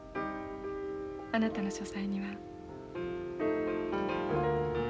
あなたの書斎には。